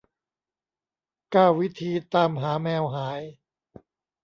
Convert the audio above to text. เก้า วิธีตามหาแมวหาย